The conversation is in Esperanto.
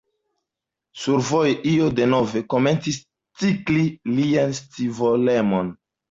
Survoje io denove komencis tikli lian scivolemon.